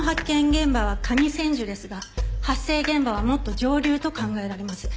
現場は上千住ですが発生現場はもっと上流と考えられます。